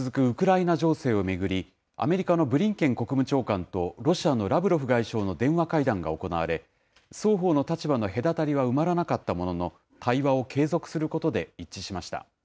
ウクライナ情勢を巡り、アメリカのブリンケン国務長官と、ロシアのラブロフ外相の電話会談が行われ、双方の立場の隔たりは埋まらなかったものの、対話を継続することで一致しました。